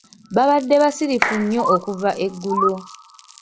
Babadde basirifu nnyo okuva eggulo.